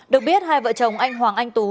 được biết hai vợ chồng anh hoàng anh tú